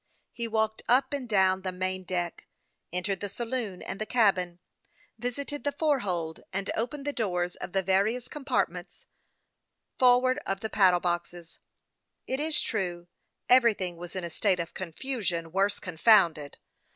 He walked up and down the main deck, entered the saloon and the cabin, visited the fore hold, and opened the doors of the various apartments forward of the paddle boxes. It is true, everything was in a state of " confusion worse confounded."